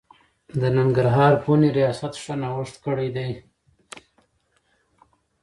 د ننګرهار پوهنې رياست ښه نوښت کړی دی.